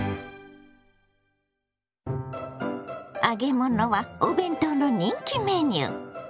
揚げ物はお弁当の人気メニュー。